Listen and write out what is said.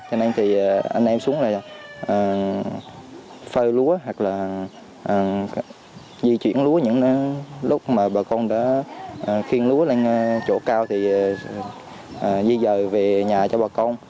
cho nên thì anh em xuống là phơi lúa hoặc là di chuyển lúa những lúc mà bà con đã khiên lúa lên chỗ cao thì di dời về nhà cho bà con